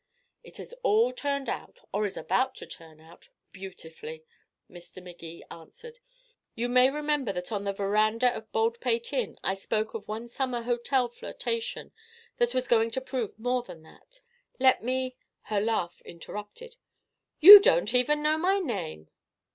"It has all turned out or is about to turn out beautifully," Mr. Magee answered. "You may remember that on the veranda of Baldpate Inn I spoke of one summer hotel flirtation that was going to prove more than that. Let me " Her laugh interrupted. "You don't even know my name."